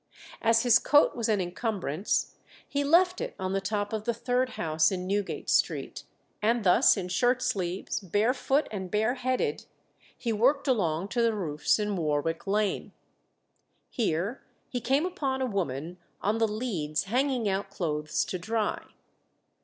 As his coat was an incumbrance, he left it on the top of the third house in Newgate Street, and thus in shirt sleeves, barefoot and bareheaded, he worked along to the roofs in Warwick Lane. Here he came upon a woman on the leads hanging out clothes to dry.